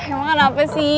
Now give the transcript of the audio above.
emang kenapa sih